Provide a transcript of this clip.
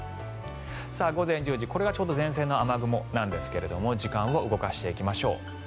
午前１０時これがちょうど前線の雨雲ですが時間動かしていきましょう。